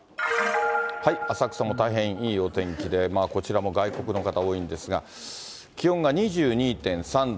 浅草も大変いいお天気で、まあ、こちらも外国の方、多いんですが、気温が２２．３度。